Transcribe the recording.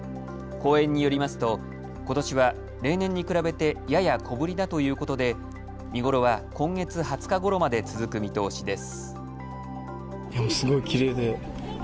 公園によりますとことしは例年に比べてやや小ぶりだということで見頃は今月２０日ごろまで続く見通しです。